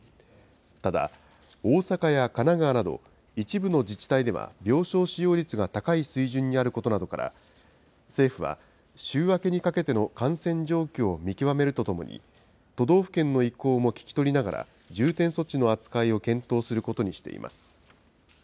ただ、大阪や神奈川など、一部の自治体では病床使用率が高い水準にあることなどから、政府は週明けにかけての感染状況を見極めるとともに、都道府県の意向も聞き取りながら、重点措置の扱いを検討することにしています。